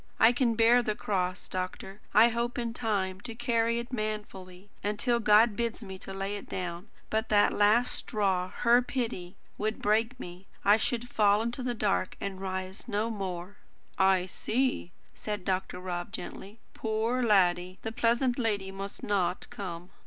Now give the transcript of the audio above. I can bear the cross, doctor; I hope in time to carry it manfully, until God bids me lay it down. But that last straw HER pity would break me. I should fall in the dark, to rise no more." "I see," said Dr. Rob gently. "Poor laddie! The pleasant lady must not come."